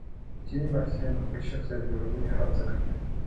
ځینې محصلین د خپل شخصیت جوړونې هڅه کوي.